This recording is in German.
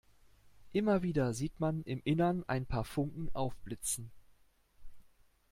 Immer wieder sieht man im Innern ein paar Funken aufblitzen.